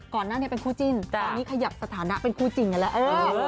ก่อนหน้านี้เป็นคู่จิ้นตอนนี้ขยับสถานะเป็นคู่จริงกันแล้ว